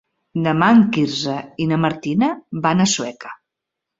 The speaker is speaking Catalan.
Demà en Quirze i na Martina van a Sueca.